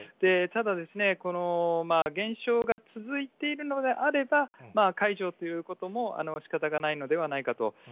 ただですね、この減少が続いているのであれば、解除ということもしかたがないのではないかと。